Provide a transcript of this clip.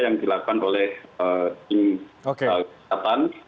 yang dilakukan oleh tim kesehatan